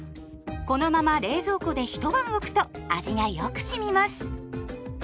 このまま冷蔵庫で一晩おくと味がよく染みます。